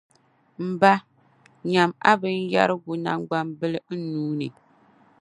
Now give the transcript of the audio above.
M ba, nyama a binyɛrigu naŋgbambili n nuu ni.